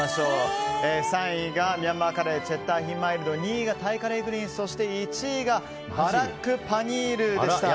３位がミャンマーカレーチェッターヒンマイルド２位がタイカレーグリーン１位がパラックパニールでした。